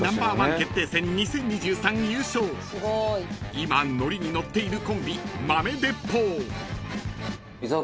［今ノリに乗っているコンビ豆鉄砲］